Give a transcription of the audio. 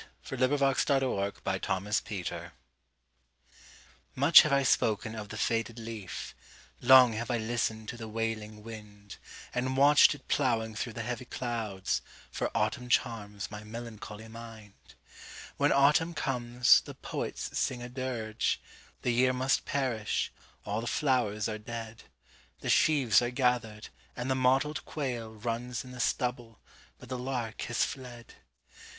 1900. By ElizabethStoddard 424 November MUCH have I spoken of the faded leaf; Long have I listened to the wailing wind, And watched it ploughing through the heavy clouds, For autumn charms my melancholy mind. When autumn comes, the poets sing a dirge:The year must perish; all the flowers are dead; The sheaves are gathered; and the mottled quailRuns in the stubble, but the lark has fled!